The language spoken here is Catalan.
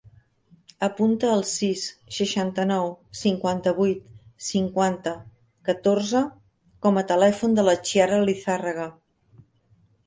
Apunta el sis, seixanta-nou, cinquanta-vuit, cinquanta, catorze com a telèfon de la Chiara Lizarraga.